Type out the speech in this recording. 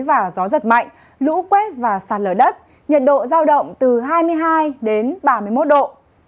và gió giật mạnh lũ quét và sạt lở đất nhiệt độ giao động từ hai mươi hai đến ba mươi một độ